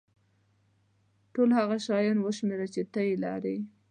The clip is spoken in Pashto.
ټول هغه شیان وشمېره چې ته یې لرې.